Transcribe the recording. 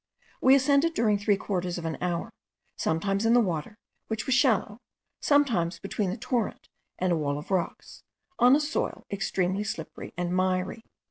We ascended during three quarters of an hour, sometimes in the water, which was shallow, sometimes between the torrent and a wall of rocks, on a soil extremely slippery and miry.